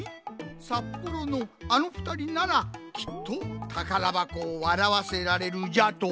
「札幌のあのふたりならきっとたからばこをわらわせられる」じゃと？